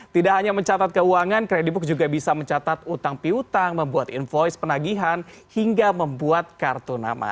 tidak hanya mencatat keuangan kredibook juga bisa mencatat utang piutang membuat invoice penagihan hingga membuat kartu nama